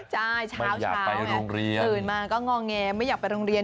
ใช่เช้าตื่นมาก็งอแงไม่อยากไปโรงเรียน